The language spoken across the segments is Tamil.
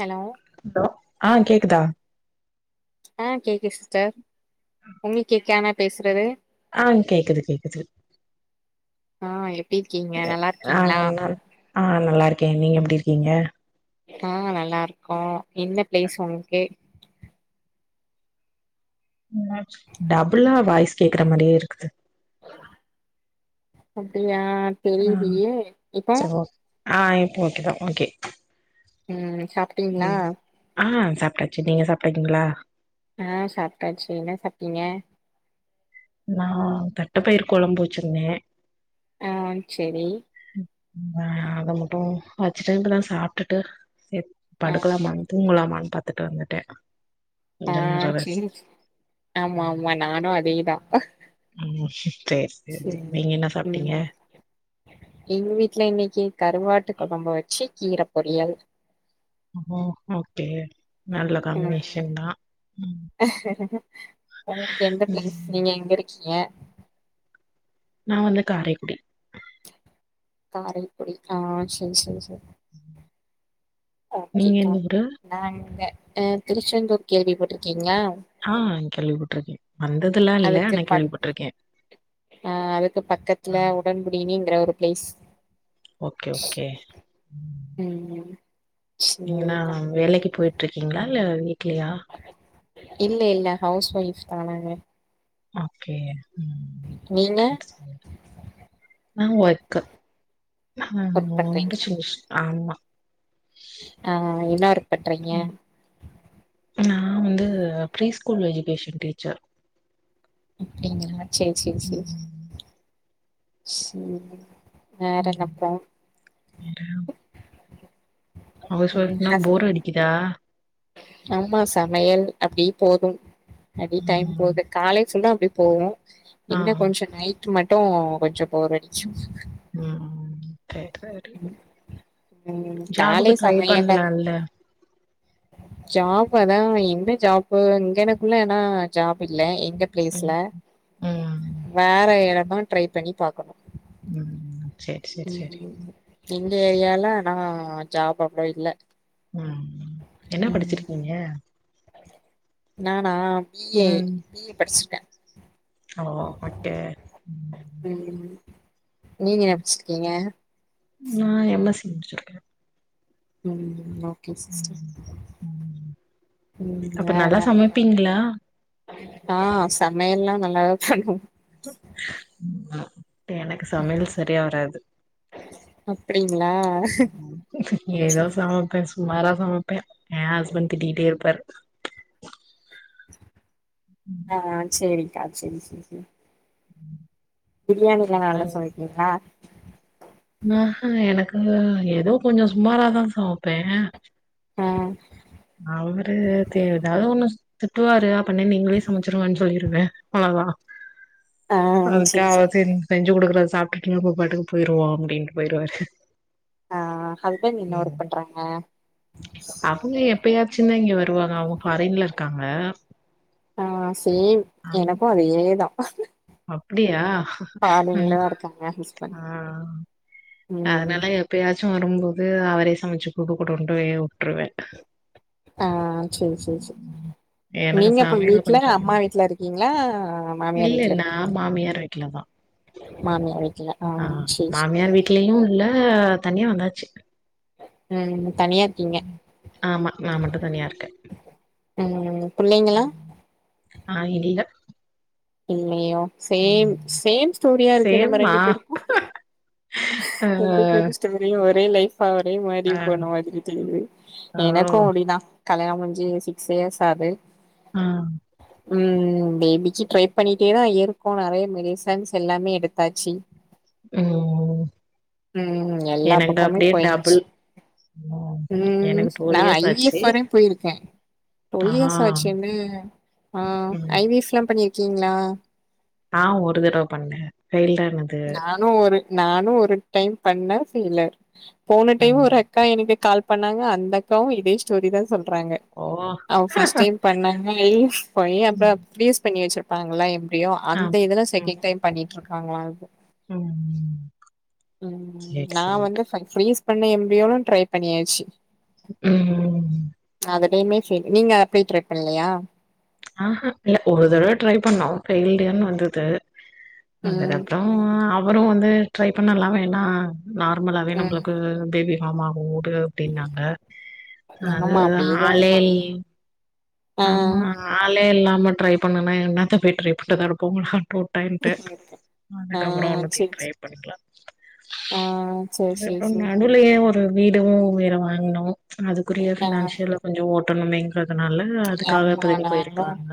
ஹலோ ஹலோ ஆ கேக்குதா ஆ கேக்குது சிஸ்டர் உங்களுக்கு கேக்கா நா பேசுறது ஆ கேக்குது கேக்குது ஆ எப்டிருக்கீங்க ஆ நல்லாருக்கீங்களா நல் ஆ நல்லாருக்கே நீங்க எப்டி இருக்கீங்க ஆ நல்லாருக்கோ என்ன ப்ளேஸ் உங்கள்க்கு டபுள்ளா வாய்ஸ் கேக்குற மாரியே இருக்குது அப்டியா ஆ தெரியலையே இப்போ சரி ஓ ஆ இப்போ ஓகே தா ஓகே ம் சாப் ஆ சாப்ட்டாச்சு நீங்க சாப்ட்டீங்களா ஆ சாப்டாச்சி என்ன சாப்ட்டீங்க நா தட்ட பயிரு கொழம்பு வச்சிருந்தே ஆ சரி ஆ அத மட்டு வச்சுட்டன்ட்டுதா சாப்ட்டுட்டு சே ஆ படுக்கலாமான் தூங்கலாமான் பாத்துட்டு வந்துட்டே ஆ கொஞ்ச நேரோ சரி ரெஸ்ட் ஆமா ஆமா நானு அதேதா ம் சேரி சேரி செரி நீங்க என்ன சாப்ட்டீங்க ம் எங்க வீட்ல இன்னைக்கு கருவாட்டு கொழம்ப வச்சு கீர பொரியல் ஓ ஓகே நல்ல காம்பினேஷன் தா உங்களுக் எந்த ப்ளேஸ் ம். நீங்க எங்க இருக்கீங்க நா வந்து காரைக்குடி காரைக்குடி ஆ சரி சரி சரி நீங்க ஓகேக்கா எந்த ஊரு? நா இந்த ஆ திருச்செந்தூர் கேள்வி பட்ருக்கீங்களா ஆ கேள்விப்பட்ருக்கே வந்தது அதுக்கு பக் ஆ அதுக்கு ஆ. பக்கத்துல உடன்குடியினுங்கற ஒரு ப்ளேஸ் ஓகே ஓகே ம் ம் ம் என்னா சேரிக்கா வேலைக்கு போயிட்ருக்கீங்களா இல்ல வீட்லயா இல்ல இல்ல ஹவுஸ் ஒயஃப்தா நாங்க ஓகே நீங்க நா ஒர்க்கு ஆ ஒர்க் ரொம்ப பண்றீங்களா ஷோச ஆமா ஆ என்ன ஒர்க் பண்றீங்க நா வந்து ப்ரீ ஸ்கூல் எஜுகேஷன் டீச்சர் அப்டிங்களா சரி சரி சரி ம். சரி ம். வேறன்னப்போ [unintelligible] ஹவுஸ் ம் ஃஒய்ப்னா போர் ஹஸ்பண்ட் அடிக்குதா ஆமா சமையல் அப்டியே போதும் அப்டியே டைம் ம். போது காலை ஃபுல்லா அப்படி போவோ ஆ. இன்ன கொஞ்ச நைட்டு மட்டு கொஞ்சம் போறடிக்கு ம் ச சரி ம் காலை ட்ரை சமையல்ல பண்லால்ல ஜாப்பு அதா என்ன ஜாப்பு இங்கனக்குள்ள ஏனா ஜாப் இல்ல எந்த ம் ப்ளேஸ்ல ம் வேற எட ம் ட்ரை பண்ணி பாக்கணு ம் சேரி சேரி ம் சேரி எங்க ஏரியாலனா ஜாப் நா அவ்ளோ இல்ல ம் என்ன ம் படிச்சிருக்கீங்க நானா பிஏ ம் பிஏ படிச்சிருக்க ஓ ஓகே ம் நீங்க என்ன படிச்க்கீங்க நான் எம்எஸ்சி முடிச்சிருக்க ம் ஓ ம் ம் அப்ப வேற நல்லா என்ன சமப்பீங்ளா ஆ சமையல்லா நல்லாதா தா பண்ணுவ [inaudible] எனக்கு சமையல் சரியா வராது அப்டிங்களா ஏதோ சமப்பேன் சுமாரா சமப்பேன் ஏன் ஹஸ்பண்டு திட்டிகிட்டே இருப்பாரு ஆ செரிக்கா செரி செரி பிரியாணிலா நல்லா சமப்பிங்ளா ஆ ஹ எனக்கு எதோ கொஞ்சோ சுமாராதா சமப்பே ஆ அவரு தேவைதாது ஒன்னு திட்டுவாரு அப்பன நீங்களே சமைச்சிருங்கன் சொல்லிருவே அவ்ளவா ஆ அது சேரி சேரி தேவை செஞ் செஞ்சு குடுக்குறத சாப்ட்டுட்டு நம்ம பாட்டுக்கு போயிடுவோ அப்டின்ட்டு போயிடுவாரு ஆ ஹஸ்பண்ட் என்ன ஒர்க் பண்றாங்க அவங்க எப்பயாச்சு தா இங்க வருவாங்க அவங்க ஃபாரின்ல இருக்காங்க ஆ சேம் எனக்கு அதேதா அப்படியா ம் ஃபாரின்லதா இருக்காங்க ஹஸ்பண்ட் ஆ ம் அதனால எப்பயாச்சு வரும்போது அவரே சமைச்சு குடுக்க குட்டுண்டு உட்ருவே ஆ சேர் சேர் சேர் எனக்கு நீங்க இப்ப சமையல் வீட்ல கொஞ்சோ அம்மா வீட்ல இருக்கீங்ளா மாமியார் இல்ல வீட்ல நா இருக்கீங்ளா மாமியார் வீட்லதா மாமியா வீட்ல ஆ சேரி சேரி மாமியார் வீட்லயு இல்ல தனியா வந்தாச்சு ம் தனியா இருக்கீங்க ஆமா நா மட்டு தனியா இருக்க ம் புள்ளைங்களா ஆ இல்ல இல்லயோ சேம் ம் சேம் ஸ்டோரியா இருக்கே நம்ம சேம்மா ரெண்டு பேருக்கு ஆ ரெண்டு பேரு ஸ்டோரியு ஒரே லைஃப் ஒரே மாரி ஆ போன மாரி தெரிது ஓ எனக்கு அப்டிதா கல்யாண முடிஞ்சி சிக்ஸ் இயர்ஸ் ஆது ம் ம் பேபிக்கு ட்ரை பண்ணிட்டே தா இருக்கோ நெறய மெடிசன்ஸ் எல்லாமே எடுத்தாச்சு ம் ம் எல்லா எனக்கு பக்கமுமே அப்டியே போயாச்சி டபுள் ம் ம் எனக்கு டூ நா இயர்ஸ் ஐவிஎஃப் ஆச்சு வர போய்ருக்க ஆ டொல் இயர்ஸ் ஆச்சுன்னு ஆ ம் ஐ வி ஃப்ல்லா பண்ணிருக்கீங்ளா ஆ ஒரு தடவ பண்ணே ஃபெய்ல்டு ஆனத் நானு ஒரு நானு ஒரு டைம் பண்ண ஃபெய்லர் போன டைம் ம் ஒரு அட் அக்கா எனக்கு கால் பண்ணாங்க அந்த அக்காவு இதே ஸ்டோரி தான் சொல்றாங்க ஓ அவ ஃபர்ஸ்ட் டைம் பண்ணா அ ஈஸ் போயி அப்ற ம் பிரீஸ் பண்ணி வச்சிருப்பாங்களா எப்டியோ ஆ அந்த இதுல செக்கன்ட் டைம் பண்ணிட்ருக்காங்களா அது உம் ம் நா வந்து ஃபை ஃப்ரீஸ் பண்ணி எம்பியியோலு ட்ரை பண்ணியாச்சு உம் அதுலயுமே சரி நீங்க அப்படி ட்ரை பண்லயா ஆஹா இல்ல ஒரு தடவ ட்ரை பண்ணோம் ஃபெய்ல்டுனு வந்தது ம் அதுக்கப்புறோ ம்ம் அவரு வந்து ட்ரை பண்ணலா வேணா நார்மலாவே ம் நம்புளுக்கு பேபி ஃபார்ம் ஆகும் உடு அப்டின்னாங்க அது ஆமா அப்டியேதா ஆளே இல்லேயே ஆ ஆமா ஆளே இல்லாம ட்ரை பண்ணனா என்னத்த போய் ட்ரை பண்றதாருக்கு போங்கடாட்டு சரின்டு ஆ அதுக்கப்றோ ஒண்ணத்தையு சேரி சே ட்ரைப் பண்ணிக்கலா ஆ சேரி ட்ரை சேரி சேரி பண்ணாலே யே ஒரு வீடும் வேற வாங்குனோ அதுக்குரிய ஆ பினான்சியல கொஞ்சம் ஓட்டணுமேங்கறதுனால இல்ல அதுக்காக ஆமா இப்பதைக்கு நாங்களு போயிருக்கிறாங்க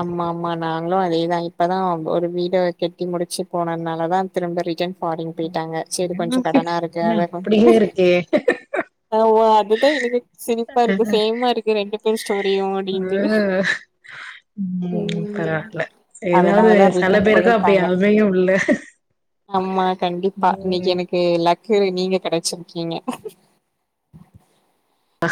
ஆமா ஆமா நாங்களும் அதேதா இப்பதா ஒரு வீடு கெட்டி முடிச்சு போனதுனால தா திரும்ப ரிசன் ஃபாரின் போயிட்டாங்க சரி கொஞ்சம் கடனா இருக்கு என்ன அத அப்டியே இருக்கே ஆ அதுதா எனக்கு சிரிப்பா இருக்கு சேமா இருக்கு ரெண்டு பேரும் ஸ்டோரியும் முடிந்து ம் ஏதாவது அதனாலதா செல ரிட்டன் பேருக்கு அப்டி போயிருக்காங்க அமையும்ல ஆமா கண்டிப்பா இன்னைக்கு ம் எனக்கு என் லக்கு நீங்க கிடைச்சிருக்கீங்க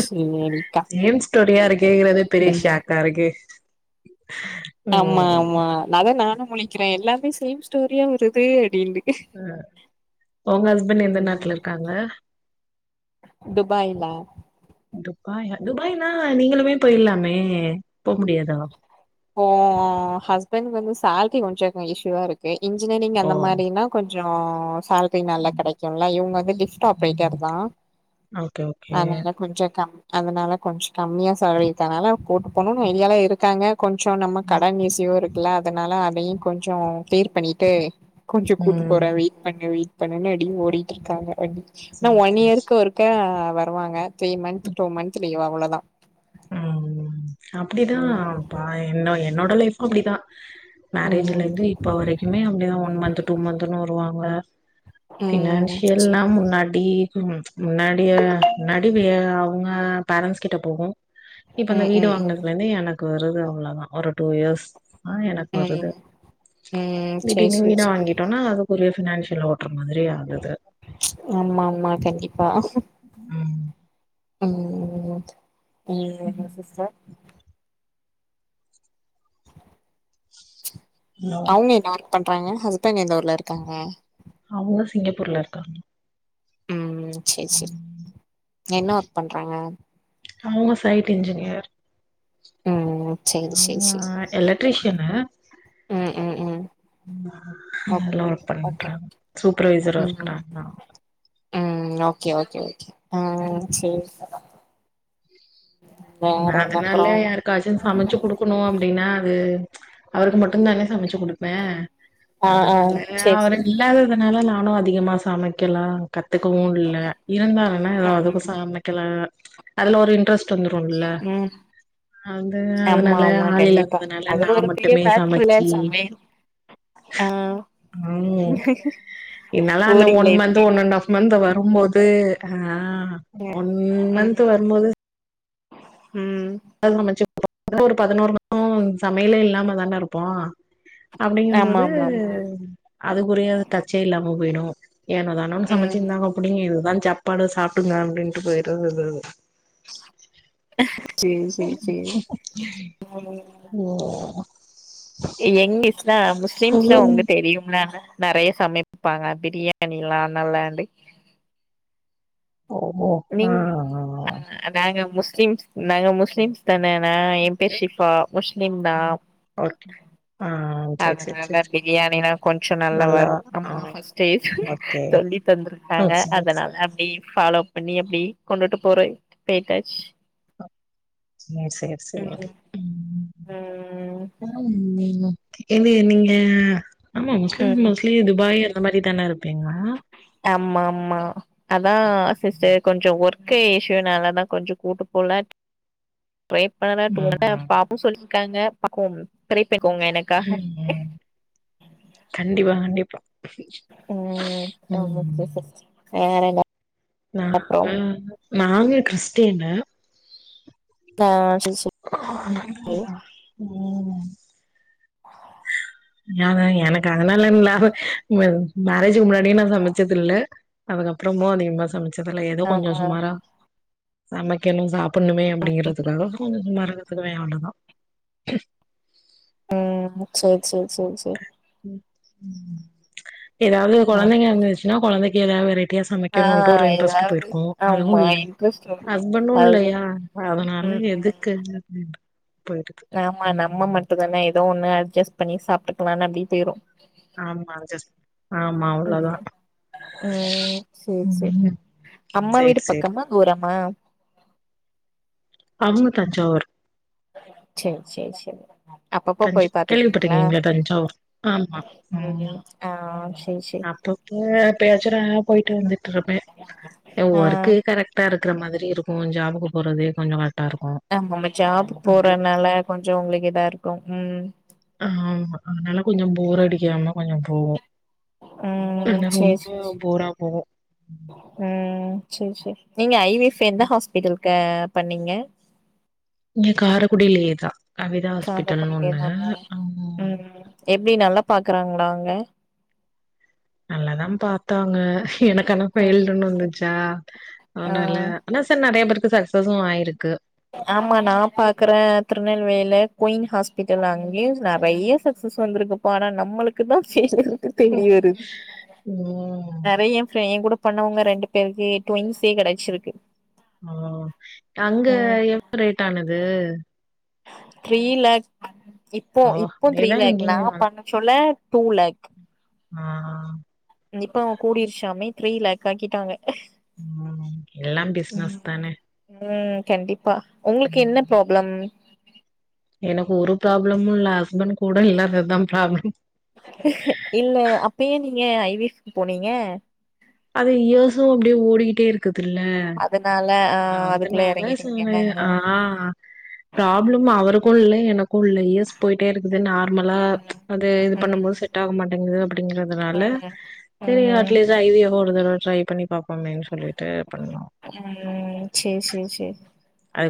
சேரிக்கா சேம் ஸ்டோரியா இருக்கு கேக்குற பெரிய ம் ஷாக்கா இருக்கு ஆமா ம் ஆமா அத நானு முழிக்கிறேன் எல்லாமே சேம் ஸ்டோரியா வருது அப்டின்டு அ உங்க ஹஸ்பண்ட் எந்த நாட்டுல இருக்காங்க துபாய் தா துபாயா துபாய்னா நீங்களுமே போயிடலாமே போக முடியாதா இப்போ ஹஸ்பண்ட் வந்து சேலரி கொஞ்சம் இஷயூவா இருக்கு இன்ஜினியரிங் ஓ அந்த மாதிரினா கொஞ்சோ சே நல்லா கிடைக்கும்ல இவுங்க வந்து லிஃப்ட் ஆப்ரேட்டர் ம் தா ஓகே ஓகே அதனால கொஞ்சம் கம் அதனால கொஞ்சம் கம்மியா சேலரி தர்றனால கூட்டு போகணும்னு ஐடியால இருக்காங்க கொஞ்சோ நம்ம கடன் இசியூ இருக்குல்ல அதனால அதையு கொஞ்சோ கிளியர் பண்ணிட்டு கொஞ்சோ கூட்டு போறேன் ம் வெயிட் பண்ணு வெயிட் பண்ணுனு அப்டியே ஓடிட்டு இருக்காங்க ஆனா சரி ஒன் சரி இயருக்கு சரி ஒருக்கா வருவாங்க three month two month leave அவ்வளோதா அப்படிதான்ப்பா என்ன என்னோட லைஃப்ம் அப்படிதா மேரேஜ்ல ம் இருந்து இப்ப வரைக்குமே அப்படிதா ஒன் மந்த் டூ மந்த்ன்னு வருவாங்க ம் செ பினான்சியல்னா முன் னாடி உம் முன்னாடி முன்னாடி அவுங்க பேரண்ட்ஸ் கிட்ட போகும் இப்ப இந்த ம் வீடு ம் ம் வாங்கினதுல இருந்து எனக்கு வருது அவ்வளவுதா ஒரு டூ இயர்ஸ் ஆ எனக்கு ம் வருது ம் சேரி திடீர்னு சேரி வீட சேரி வாங்கிட்டோன்னா அது ஒரே ஃபினான்ஷியல ஓட்டுர மாதிரி ஆகுது ஆமா ஆமா கண்டிப்பா உம் உம் ஆமா ஆமா [unintelligible] சிஸ்டர் ஹலோ அவுங்க என்ன ஒர்க் பண்றாங்க ஹஸ்பண்ட் எந்த ஊர்ல இருக்காங்க அவுங்க சிங்கப்பூர்ல இருக்காங்க உம் உம் செரி செரி என்ன ஒர்க் பண்றாங்க அவங்க சைட் இன்ஜினியர் ம் சேரி சேரி அவுங்க சேரி எலக்ட்ரிஷியன்னு ம் ம் ம் ம் ஓக் [unintelligible] ஒர்க் ஓகே பண்ற சூப்பர்வைசரா ம் இருக்கற நா ம் ஓகே ஓகே ஓகே அ சேரி வேற நா என்ன அதனால அப்றோ யாருக்காச்சு சமைச்சு குடுக் குடுக்கணு அப்டின்னா அது அவருக்கு மட்டும் தான சமைச்சு குடுப்ப ஆ ஆ அதனால சேரி அவர் இல்லாததுனால நானு அதிகமா சமைக்கலா கத்துக்கவு இல்ல இருந்தாங்கனா எதாது ம் சமைக்கலா அதுல ஒரு இன்ட்ரெஸ்ட் வந்துருக் இல்ல ம் நா வந்து ஆமா அதனால ஆமா ஆள் கண்டிப்பா இல்லாததுனால அது நா ஒரு பெரிய மட்டுமே மேட்ருல சமைச்சி சமையல் ஆ ம் என்னால அந்த boring one life month one and half month வரும்போது ஆஹ் ஒன் மன்த் ம் வரும்போது ம் அதாது [inaudible] ஒரு பதினோரு மாசோ சமையலே இல்லாம தான இருப்போ ஆமா அப்டிங்கம்போது ஆமா ஆமா அதுக்குரிய டச்சே இல்லாம போய்டும் ஏனோ தானோன்னு சமைச்சு ம் இந்தாங்கப் புடிங்க இதுதா சாப்பாடு சாப்டுங்க அப்டின்ட்டு போயிறது இது சேரி சேரி சேரி ஓ எங்கஸ்ல முஸ்லிம்ஸ்ல உங்க தெரியும்ல நெறையா சமைப்பாங்க பிரியாணி எல்லா நல்லாண்டு ஓ ஓ ஆ நீங் ஆ அ நாங்க முஸ்லிம்ஸ் நாங்க முஸ்லிம்ஸ் தனனா எ ஓகே பேர் ஷிஃபா முஷ்லிம் தா ம். ஓகே ஆ சேரி சேரி அதனால சேரி சேரி பிரியாணினா கொஞ்சோ நல்லா வரும் அம்மா ஃபஸ்டே சொல் ஓகே. சொல்லி ஓ தந்துருக்காங்க சேரி, அதனால சேரி. அப்டி ஃபாலோ பண்ணி அப்டி கொண்டுட்டு போற பேட்டாச் சேரி, சேரி, ம் சேரி. ம் ம் மேம் நீங்க இது நீங்க ஆமா முஸ்லிம் ம் மோஸ்லி இது பாய் அந்த மாரி தான இருப்பீங்க ஆமா ஆமா அதா சிஸ்டர் கொஞ்சோ ஒர்க்கு இஷுனாலதா கொஞ்ச கூட்டு போல ப்ரே ம். [inaudible] பாப்போ சொல்லிருக்காங்க பாப்போம் ப்ரேபண்க்கோங்க எனக் கண்டிப்பா கண்டிப்பா ம் வேறன்ன நா நானு கிறிஸ்டினு ஆ சரி சரி ம் யாத எனக்கு அதனால இல்ல லா மேரேஜக்கு முன்னாடியே நா சமைச்சது இல்ல அதுக்கப்றமு அதிகமா சமைச்சதுல எதோ ஆ கொஞ்சோ ஆ சுமாரா சமைக்கணு சாப்புண்ணுமே அப்டிங்கறத்துக்காக கொஞ்சோ சுமாரா கத்துக்குவே அவ்ளதா ம் சரி சரி சரி சரி எதாவது ம் கொழந்தைங்க இருந்துச்சுன்னா கொழந்தைக்கு எதா வெரை ட்டியா ஆ சமைக்கணுன்டு ஒரு இன்ட்ரெஸ்ட் ஏதாவது போய்ருக்கு அதுவு ஆமா இல்ல இன்ட்ரெஸ்ட் வரும் ஹஸ்பண்டு அது இல்லையா அதனால ம் ம் எதுக்கு போயிடுது ஆமா நம்ம மட்டுதான எதோ ஒண்ணு அட்ஜஸ்ட் பண்ணி சாப்ட்டுக்கலானு அப்டி போய்ரு ஆமா அஜஸ் ஆமா ம் அவ்ளோதா ம் சேரி சேரி ம் அம்மா சேரி வீடு சேரி பக்கமா தூரமா அவுங்க தஞ்சாவூர் சேர் சேர் சேரி அப்பப்ப தஞ்ச போய் பாத்துக்குவிங்ளா கேள்விப்பட்டிருக்கீங்களா தஞ்சாவூர் ஆமா ம் ஆ சரி சரி அப்பப்ப பேச்சுலரா போயிட்டு வந்துட்ருப்பே இப்ப ஆ ஒர்க்கே கரெக்ட் டா இருக்குற மாதிரி இருக்கு ஜாபூக்கு போறதே கொஞ்சோ கரெட்டா இருக்கு ஆ நம்ம ஜாப் அப்டி போறனால கொஞ்சோ உங்குளுக்கு இதாருக்கு ம் ஆமா அதனால கொஞ்சோ போரடிக்காம கொஞ்சோ போவு ம் [unintelligible] சரி ரொம்ப சரி போரா போவு ம் சேர் சேரி நீங்க ஐவிஃப் எந்த ஹாஸ்பிட்டல்ங்க பண்ணிங்க இங்க காரைக்குடியிலே தா கவிதா ஹாஸ்பிட்டல்னு காரக்குடில ஒன்னு தானா ம் எப்டி நல்லா பாக்குறாங்ளா அங்க நல்லதா பாத்தாங்க எனக்கு ஆனா ஃபெயில்டுன்னு வந்துச்சா ஆ அனால ஆனா ச நறைய பேருக்கு சக்சஸு ஆயிருக்கு ஆமா நா பாக்குறே திருநெல்வேல குயின் ஹாஸ்பிட்டல் அங்கியு நறைய சக்சஸ் வந்துருக்கு ஆனா நம்மளுக்கு தா [inaudible] தேடி வருது ம் நறைய எங்கூட பண்ணவங்க ரெண்டு பேருக்கு டுவின்ஸே கெடைச்சிருக்கு ஓ அங்க எவ்ளோ ரேட் ஆனது த்ரீ லேக் இப்போ ஓ இப்போ த்ரீ அதேதா லேக் நா இங்கயு பண்ண சொல்ல டூ லேக் ஆ இப்ப அவங்க கூடிர்ச்சாமே த்ரீ லேக் ஆக்கிட்டாங்க ம் எல்லா ம் பிஸ்னஸ் தானே ம் கண்டிப்பா உங்ளுக்கு உம். என்ன ப்ராப்ளம் எனக்கு ஒரு ப்ராப்ளமு இல்ல ஹஸ்பண்ட் கூட இல்லாததுதா ப்ராப்ளம் இல்ல அப்ப ஏன் நீங்க ஐவிஃப் க்கு போனீங்க அது இயர்சு அப்டியே ஓடிக்கிட்டே இருக்குதுல்ல அதனால ஆ அதுக்குள்ள அதனால சொன்னே எறங்கிட்டீங்கன்னு ஆனா ப்ராப்ளம் அவருக்கு இல்ல எனக்கு இல்ல இயர்ஸ் போயிட்டே இருக்குது நார்மலா ம் அது இது பண்ணும்போது ம் செட் ஆக மாட்டேங்குது அப்டிங்கறதுனால ம் செரி ம் அட்லீஸ்ட் ஐவி ஃப் ஒரு தரவ ட்ரை பண்ணி பாப்போமேன் சொல்லிட்டு பண்ணோ ம் சேர் சேர் சேரி ஆ